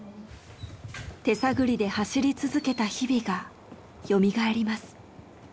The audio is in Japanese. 手探りで走り続けた日々がよみがえります。